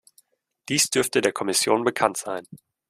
Dies dürfte der Kommission bekannt sein.